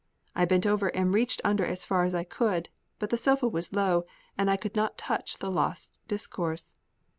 I bent over and reached under as far as I could. But the sofa was low, and I could not touch the lost discourse.